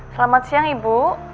selamat siang ibu